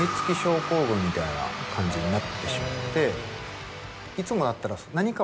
みたいな感じになってしまって。